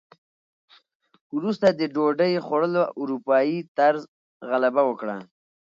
وروسته د ډوډۍ خوړلو اروپايي طرز غلبه وکړه.